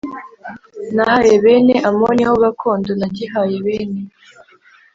nahaye bene Amoni ho gakondo; nagihaye bene